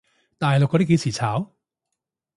大陸嗰啲幾時炒？